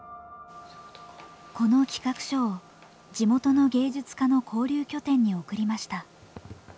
この企画書を地元の芸術家の交流拠点に送りました。